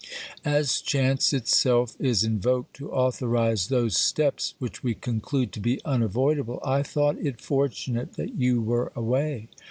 As chance itself is invoked to authorise those steps which we conclude to be unavoidable, I thought it fortunate that you were away.